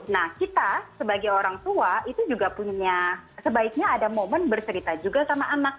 nah kita sebagai orang tua itu juga punya sebaiknya ada momen bercerita juga sama anak